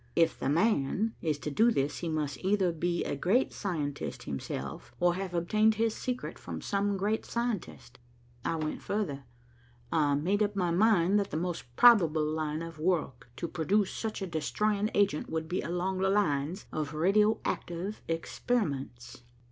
If 'the man' is to do this, he must either be a great scientist himself, or have obtained his secret from some great scientist. I went further. I made up my mind that the most probable line of work to produce such a destroying agent would be along the lines of radio active experiments.